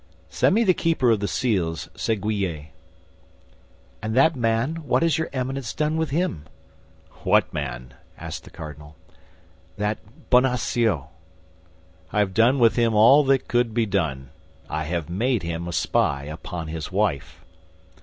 Send me the keeper of the seals, Séguier." "And that man, what has your Eminence done with him?" "What man?" asked the cardinal. "That Bonacieux." "I have done with him all that could be done. I have made him a spy upon his wife."